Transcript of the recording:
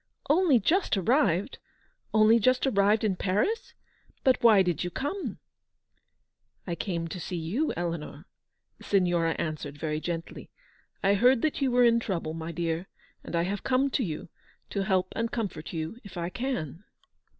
" Only just arrived ! Only just arrived in Paris ! But why did you come ?"" I came to see you, Eleanor," the Signora an swered, very gently. "I heard that you were in trouble, my dear, and I have come to you j to help and comfort you if I can."